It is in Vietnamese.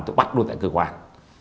tôi bắt luôn tại cơ quan